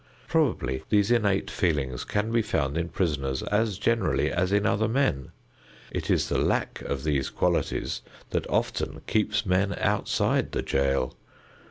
Probably these innate feelings can be found in prisoners as generally as in other men. It is the lack of these qualities that often keeps men outside the jail.